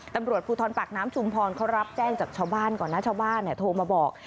ตำรวจภูทรปากน้ำชุมพรเขารับแจ้งจากชาวบ้านก่อนนะชาวบ้านโทรมาบอก